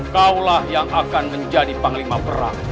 kau lah yang akan menjadi panglima perang